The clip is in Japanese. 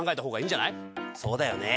そうだよね。